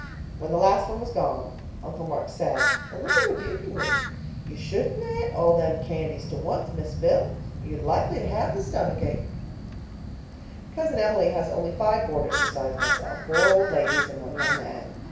When the last one was gone, Uncle Mark said, a little rebukingly, 'Ye shouldn't a'et all them candies to onct, Miss Phil. You'll likely have the stummick ache.' "Cousin Emily has only five boarders besides myself—four old ladies and one young man.